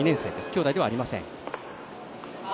兄弟ではありません。